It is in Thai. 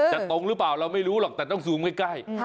ตรงหรือเปล่าเราไม่รู้หรอกแต่ต้องซูมใกล้